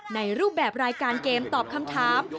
ในรูปแบบรายการเกมตอบคำถาม